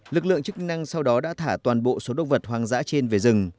lực lượng chức năng sau đó đã thả toàn bộ số động vật hoang dã trên về rừng